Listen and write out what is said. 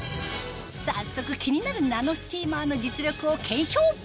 早速気になるナノスチーマーの実力を検証